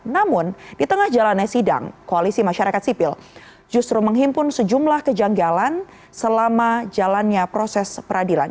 namun di tengah jalannya sidang koalisi masyarakat sipil justru menghimpun sejumlah kejanggalan selama jalannya proses peradilan